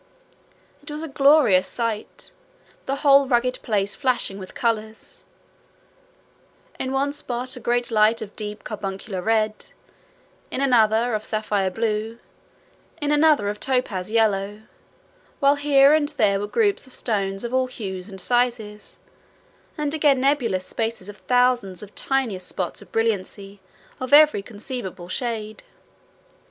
It was a glorious sight the whole rugged place flashing with colours in one spot a great light of deep carbuncular red, in another of sapphirine blue, in another of topaz yellow; while here and there were groups of stones of all hues and sizes, and again nebulous spaces of thousands of tiniest spots of brilliancy of every conceivable shade.